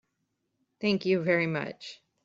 Thank you very much.